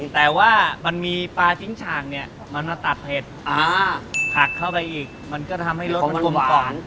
แต่ว่ามันมีปลาชิ้นฉ่างเนี่ยมันมาตัดเผ็ดผักเข้าไปอีกมันก็ทำให้รสมันกลมของ